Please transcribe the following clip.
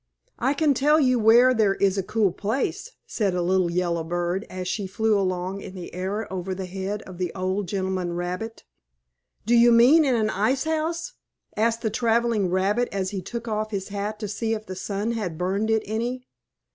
"I can tell you where there is a cool place," said a little yellow bird, as she flew along in the air over the head of the old gentleman rabbit. "Do you mean in an icehouse?" asked the traveling rabbit as he took off his hat to see if the sun had burned it any.